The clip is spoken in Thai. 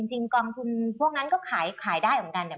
จริงกองทุนพวกนั้นก็ขายได้เหมือนกันเนี่ย